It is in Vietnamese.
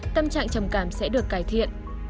tâm trạng trầm cảm sẽ được cải thiện